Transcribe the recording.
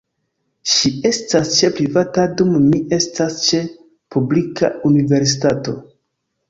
Ŝi estas ĉe privata dum mi estas ĉe publika universitato.